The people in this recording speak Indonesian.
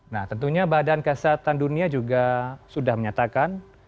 nah tentunya badan kesehatan dunia juga sudah menyatakan